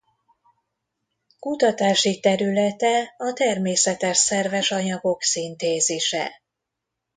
Kutatási területe a természetes szerves anyagok szintézise.